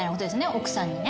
奥さんにね。